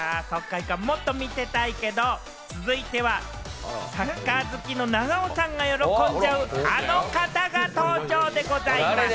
もっと見てたいけれども、続いてはサッカー好きの長尾さんが喜んじゃう、あの方が登場でございます。